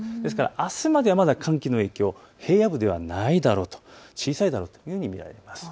あすまでは寒気の影響、平野部ではないだろうと小さいだろうというふうに思われます。